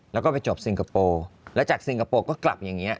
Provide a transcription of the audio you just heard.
แล้วก็ไปจบซิงคโปร์แล้วจากซิงคโปร์ก็กลับอย่างนี้